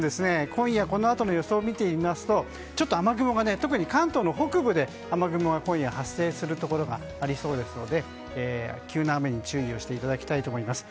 今夜このあとの予想見てみますと特に関東の北部で雨雲が発生するところがありそうですので急な雨に注意していただきたいと思います。